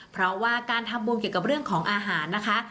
เพราะว่าการทำบุญเกี่ยวกับเรื่องของอาหารนะคะ